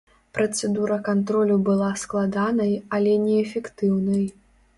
Працэдура кантролю была складанай, але неэфектыўнай.